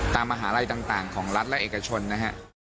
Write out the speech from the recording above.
ตามมาหร่ายต่างของรัฐและเอกชนนะฮะ